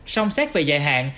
xong xét về dạy hạn